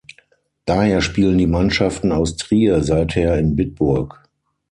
Daher spielen die Mannschaften aus Trier seither in Bitburg.